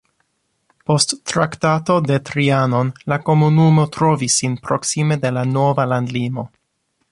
Post Traktato de Trianon la komunumo trovis sin proksime de la nova landlimo.